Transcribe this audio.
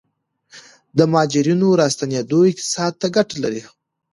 د مهاجرینو راستنیدل اقتصاد ته ګټه لري؟